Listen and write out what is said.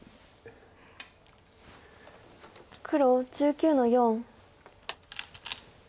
黒１９の四。